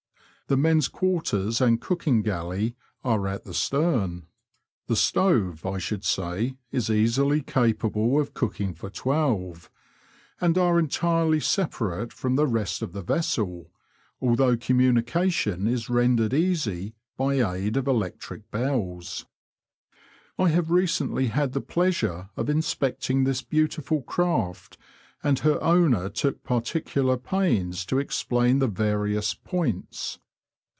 The men's quarters and cooking galley are at the stern (the stove, I should say, is easily Digitized by VjOOQIC 6 BKOADS AND RIVERS OF NORFOLK AND SUFFOLK. capable of cooking for twelve), and are entirely separate from the rest of the vessel, although communication is rendered easy by aid of electric bells. I have recently had the pleasure of inspecting this beau tiful craft, and her owner took particular pains t© explain the various "points."